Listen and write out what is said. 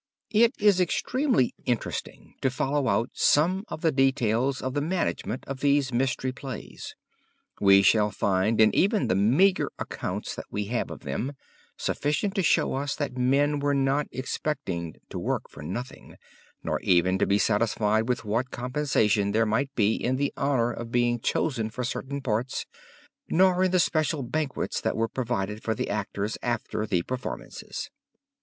It is extremely interesting to follow out some of the details of the management of these Mystery Plays. We shall find in even the meagre accounts that we have of them, sufficient to show us that men were not expected to work for nothing, nor even to be satisfied with what compensation there might be in the honor of being chosen for certain parts, nor in the special banquets that were provided for the actors after the performances.